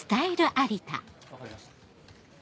分かりました。